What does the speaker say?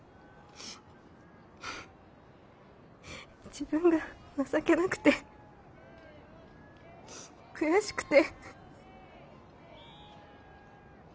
自分が情けなくて悔しくて。